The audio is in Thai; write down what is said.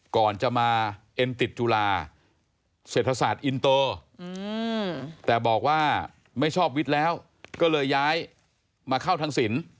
ก่อนจะมาเอ็นติดจุฬาเศรษฐศาสตร์อินเตอร์แต่บอกว่าไม่ชอบวิทย์แล้วก็เลยย้ายมาเข้าทางสิน